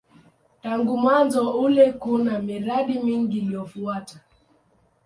Tangu mwanzo ule kuna miradi mingi iliyofuata.